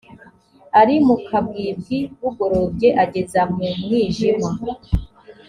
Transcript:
ari mu kabwibwi bugorobye ageza mu mwijima